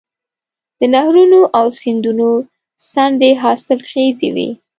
د نهرونو او سیندونو څنډې حاصلخیزې وي.